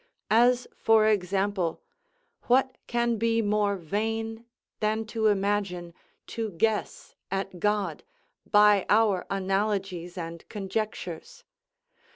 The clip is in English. As, for example, what can be more vain than to imagine, to guess at God, by our analogies and conjectures?